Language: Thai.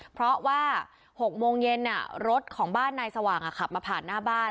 เพราะว่า๖โมงเย็นรถของบ้านนายสว่างขับมาผ่านหน้าบ้าน